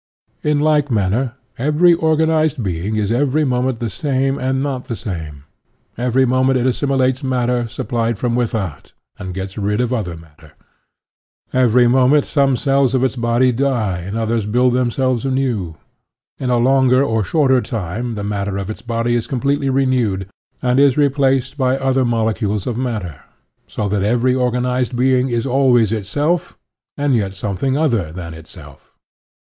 In like manner, every organized being is every moment the same and not the same; every moment it assimilates matter supplied from without, and gets rid of other matter; every moment some cells of its body die and others build themselves anew; in a 82 SOCIALISM longer or shorter time the matter of its body is completely renewed, and is replaced by other molecules of matter, so that every organized being is always itself, and yet something other than itself.